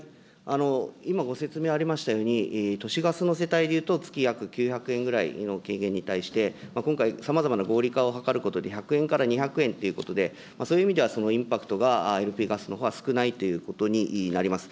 今、ご説明在りましたように、都市ガスの世帯でいうと、月約９００円ぐらいの軽減に対して、今回、さまざまな合理化を図ることで、１００円から２００円ということで、そういう意味では、インパクトが、ＬＰガスのほうは少ないということになります。